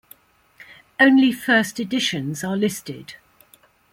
Only first editions are listed.